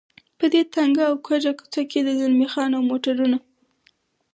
په دې تنګه او کږه کوڅه کې د زلمی خان او موټرونه.